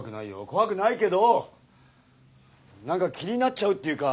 怖くないけど何か気になっちゃうっていうか。